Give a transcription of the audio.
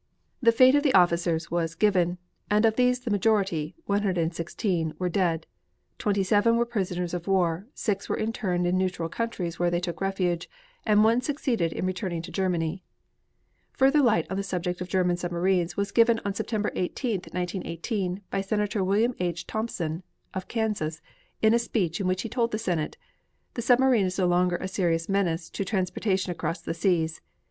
The fate of the officers was given, and of these the majority (116) were dead; twenty seven were prisoners of war, six were interned in neutral countries where they took refuge, and one succeeded in returning to Germany. Further light on the subject of German submarines was given on September 18, 1918, by Senator William H. Thompson of Kansas in a speech in which he told the Senate: The submarine is no longer a serious menace to transportation across the seas.